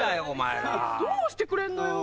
どうしてくれんのよ。